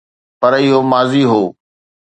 پر اهو ماضي هو.